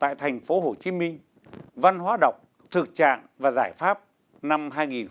tại thành phố hồ chí minh văn hóa đọc thực trạng và giải pháp năm hai nghìn hai mươi